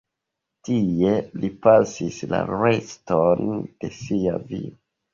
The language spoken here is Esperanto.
Tie li pasis la reston de sia vivo.